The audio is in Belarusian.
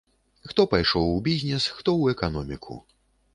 Хто пайшоў у бізнес, хто ў эканоміку.